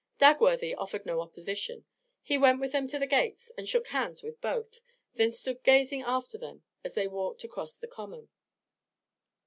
Dagworthy offered no opposition; he went with them to the gates, and shook hands with both, then stood gazing after them as they walked across the common.